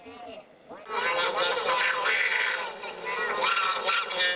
やめてくださーい！